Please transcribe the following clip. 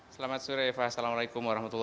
selamat sore eva assalamualaikum wr wb